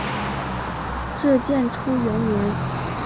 至建初元年。